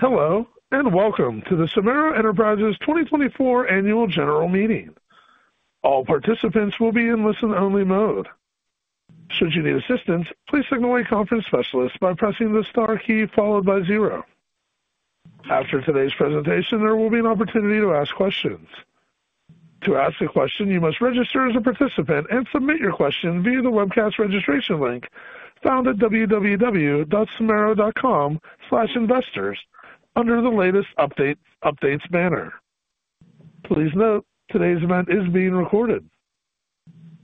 Hello, and welcome to the Somero Enterprises 2024 Annual General Meeting. All participants will be in listen-only mode. Should you need assistance, please signal a conference specialist by pressing the star key followed by zero. After today's presentation, there will be an opportunity to ask questions. To ask a question, you must register as a participant and submit your question via the webcast registration link found at www.somero.com/investors under the latest updates banner. Please note, today's event is being recorded.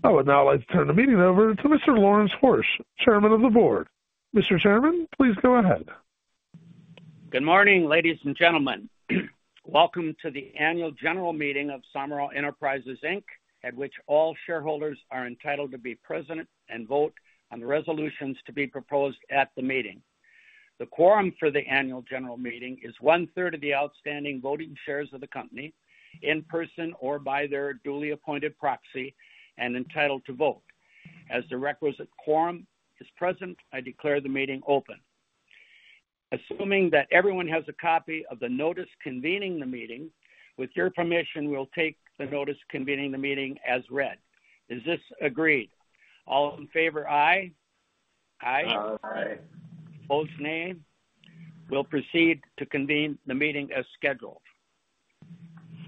I would now like to turn the meeting over to Mr. Lawrence Horsch, Chairman of the Board. Mr. Chairman, please go ahead. Good morning, ladies and gentlemen. Welcome to the Annual General Meeting of Somero Enterprises, Inc., at which all shareholders are entitled to be present and vote on the resolutions to be proposed at the meeting. The quorum for the Annual General Meeting is one-third of the outstanding voting shares of the company, in person or by their duly appointed proxy, and entitled to vote. As the requisite quorum is present, I declare the meeting open. Assuming that everyone has a copy of the notice convening the meeting, with your permission, we'll take the notice convening the meeting as read. Is this agreed? All in favor, aye? Aye. Aye. Opposed? Nay? We'll proceed to convene the meeting as scheduled.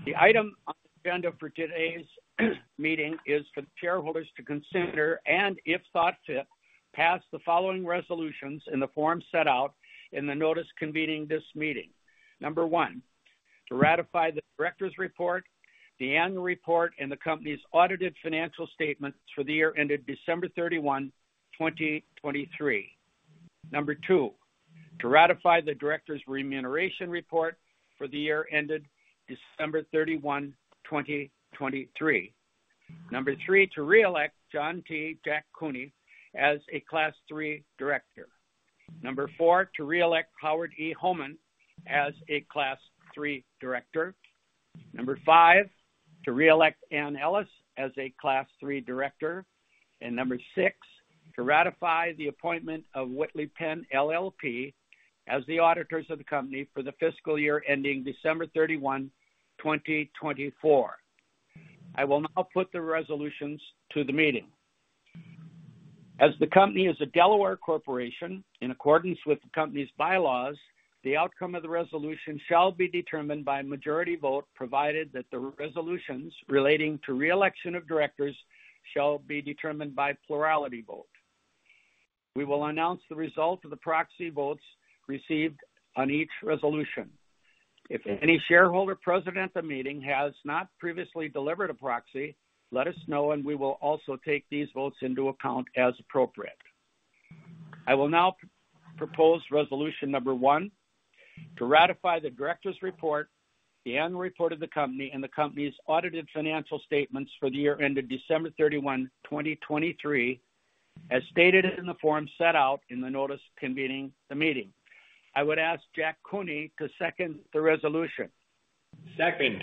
The item on the agenda for today's meeting is for the shareholders to consider, and if thought fit, pass the following resolutions in the form set out in the notice convening this meeting. Number 1, to ratify the Directors' Report, the Annual Report, and the company's audited financial statements for the year ended December 31, 2023. Number 2, to ratify the Directors Remuneration Report for the year ended December 31, 2023. Number 3, to re-elect John T. Jack Cooney as a Class 3 Director. Number 4, to re-elect Howard E. Hohmann as a Class 3 Director. Number 5, to re-elect Anne Ellis as a Class 3 Director. And number 6, to ratify the appointment of Whitley Penn LLP as the auditors of the company for the fiscal year ending December 31, 2024. I will now put the resolutions to the meeting. As the company is a Delaware corporation, in accordance with the company's bylaws, the outcome of the resolution shall be determined by majority vote, provided that the resolutions relating to the reelection of directors shall be determined by plurality vote. We will announce the result of the proxy votes received on each resolution. If any shareholder present at the meeting has not previously delivered a proxy, let us know, and we will also take these votes into account as appropriate. I will now propose resolution number 1, to ratify the Directors' Report, the Annual Report of the company, and the company's audited financial statements for the year ended December 31, 2023, as stated in the form set out in the notice convening the meeting. I would ask Jack Cooney to second the resolution. Second.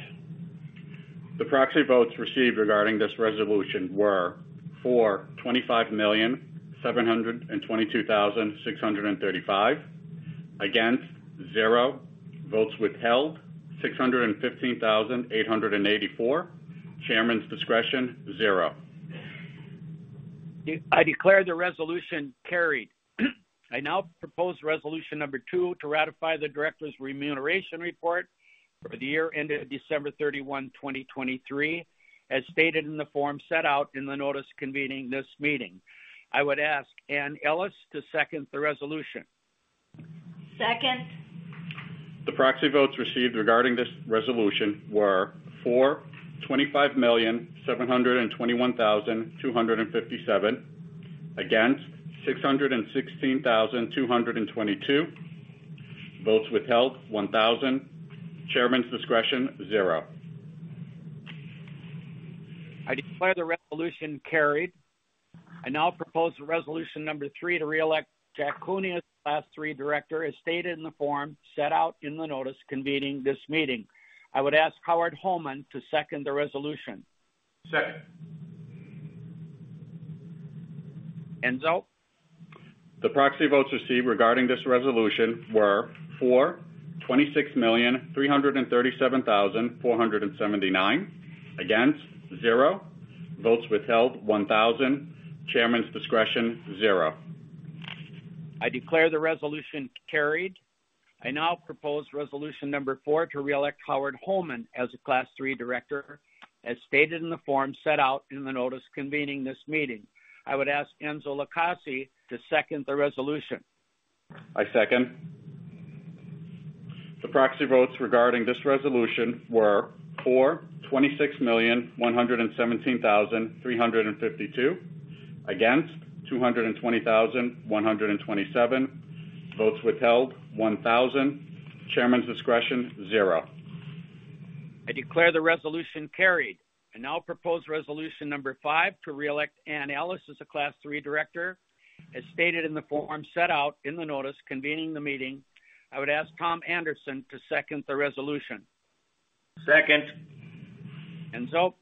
The proxy votes received regarding this resolution were for 25,722,635, against 0, votes withheld 615,884, chairman's discretion 0. I declare the resolution carried. I now propose resolution number two, to ratify the Directors' Remuneration Report for the year ended December 31, 2023, as stated in the form set out in the notice convening this meeting. I would ask Anne Ellis to second the resolution. Second. The proxy votes received regarding this resolution were for 25,721,257, against 616,222, votes withheld 1,000, chairman's discretion 0. I declare the resolution carried. I now propose resolution number three, to re-elect Jack Cooney as the Class 3 Director, as stated in the form set out in the notice convening this meeting. I would ask Howard Hohmann to second the resolution. Second. Enzo. The proxy votes received regarding this resolution were for 26,337,479 against 0, votes withheld 1,000, chairman's discretion 0. I declare the resolution carried. I now propose resolution number 4, to re-elect Howard Hohmann as a Class 3 Director, as stated in the form set out in the notice convening this meeting. I would ask Enzo LiCausi to second the resolution. I second. The proxy votes regarding this resolution were for 26,117,352, against 220,127, votes withheld 1,000, chairman's discretion 0. I declare the resolution carried. I now propose resolution number 5, to reelect Anne Ellis as a Class 3 Director, as stated in the form set out in the notice convening the meeting. I would ask Tom Anderson to second the resolution. Second. Enzo.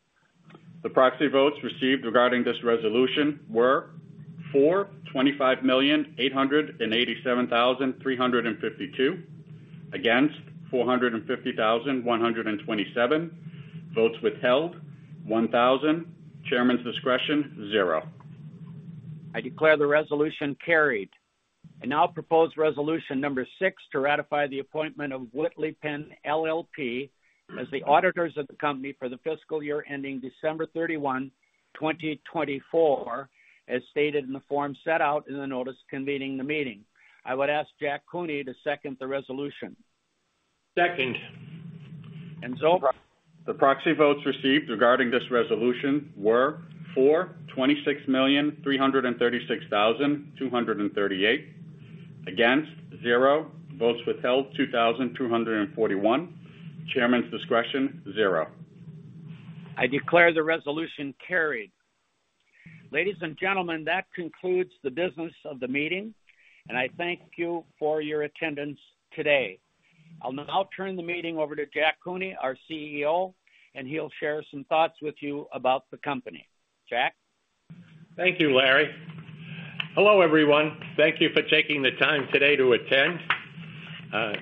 The proxy votes received regarding this resolution were for 25,887,352, against 450,127, votes withheld 1,000, chairman's discretion 0. I declare the resolution carried. I now propose resolution number six, to ratify the appointment of Whitley Penn LLP as the auditors of the company for the fiscal year ending December 31, 2024, as stated in the form set out in the notice convening the meeting. I would ask Jack Cooney to second the resolution. Second. Enzo. The proxy votes received regarding this resolution were for 26,336,238 against 0, votes withheld 2,241, chairman's discretion 0. I declare the resolution carried. Ladies and gentlemen, that concludes the business of the meeting, and I thank you for your attendance today. I'll now turn the meeting over to Jack Cooney, our CEO, and he'll share some thoughts with you about the company. Jack? Thank you, Larry. Hello, everyone. Thank you for taking the time today to attend.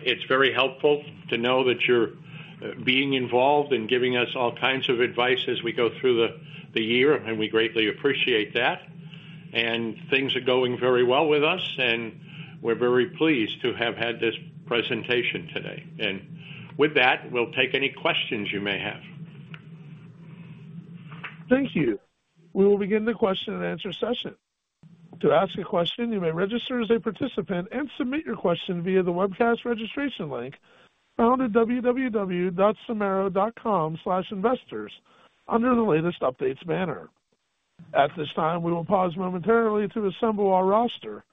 It's very helpful to know that you're being involved and giving us all kinds of advice as we go through the year, and we greatly appreciate that. Things are going very well with us, and we're very pleased to have had this presentation today. With that, we'll take any questions you may have. Thank you. We will begin the question-and-answer session. To ask a question, you may register as a participant and submit your question via the webcast registration link found at www.somero.com/investors under the latest updates banner. At this time, we will pause momentarily to assemble our roster,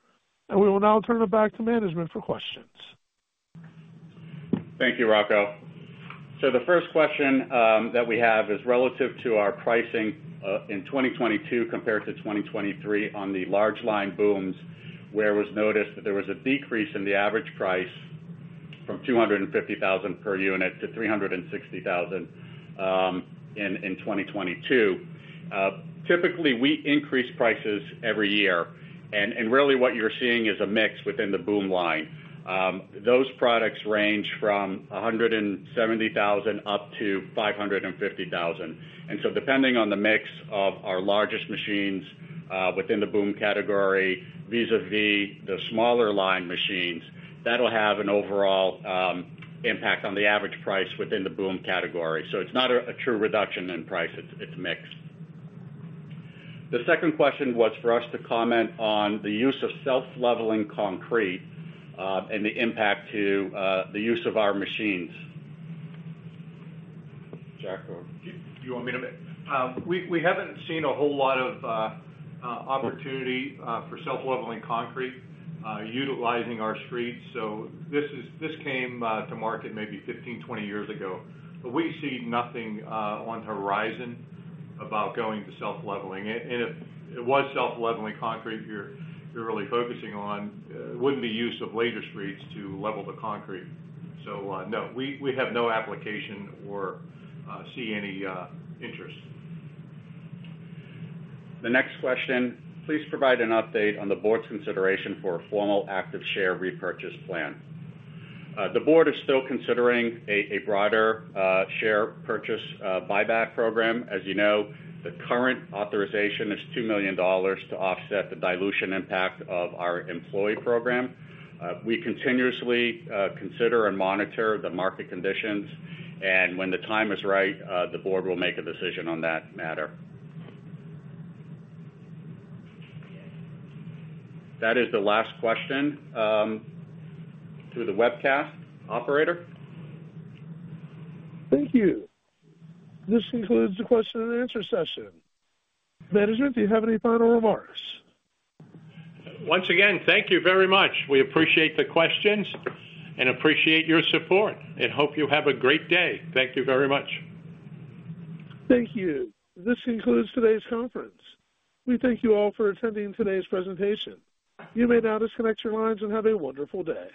and we will now turn it back to management for questions. Thank you, Rocco. So the first question that we have is relative to our pricing in 2022 compared to 2023 on the large line booms, where it was noticed that there was a decrease in the average price from $250,000 per unit to $360,000 in 2022. Typically, we increase prices every year, and really what you're seeing is a mix within the boom line. Those products range from $170,000 up to $550,000. And so depending on the mix of our largest machines within the boom category vis-à-vis the smaller line machines, that'll have an overall impact on the average price within the boom category. So it's not a true reduction in price. It's mixed. The second question was for us to comment on the use of self-leveling concrete and the impact to the use of our machines. Jack? We haven't seen a whole lot of opportunity for self-leveling concrete utilizing our streets. So this came to market maybe 15, 20 years ago, but we see nothing on the horizon about going to self-leveling. And if it was self-leveling concrete you're really focusing on, it wouldn't be use of Laser Screeds to level the concrete. So no, we have no application or see any interest. The next question, please provide an update on the board's consideration for a formal active share repurchase plan. The board is still considering a broader share purchase buyback program. As you know, the current authorization is $2 million to offset the dilution impact of our employee program. We continuously consider and monitor the market conditions, and when the time is right, the board will make a decision on that matter. That is the last question to the webcast operator. Thank you. This concludes the question-and-answer session. Management, do you have any final remarks? Once again, thank you very much. We appreciate the questions and appreciate your support, and hope you have a great day. Thank you very much. Thank you. This concludes today's conference. We thank you all for attending today's presentation. You may now disconnect your lines and have a wonderful day.